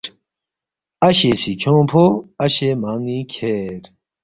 اشے سی کھیونگفو اشے مان٘ی کھیر